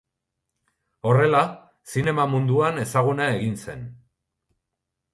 Horrela, zinema munduan ezaguna egin zen.